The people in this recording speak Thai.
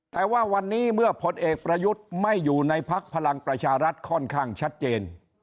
แต่ว่าวันนี้เมื่อผลเอกประยุทธ์ไม่อยู่ในพักพลังประชารัฐค่อนข้างชัดเจน